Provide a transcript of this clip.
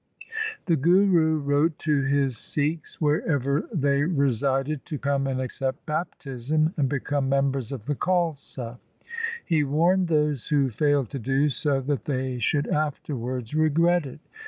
2 The Guru wrote to his Sikhs wherever they resided to come and accept baptism, and become members of the Khalsa. He warned those who failed to do so that they should afterwards regret it.